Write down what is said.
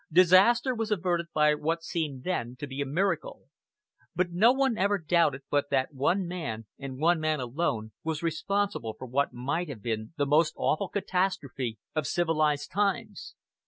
Disaster was averted by what seemed then to be a miracle; but no one ever doubted but that one man, and one man alone, was responsible for what might have been the most awful catastrophe of civilized times.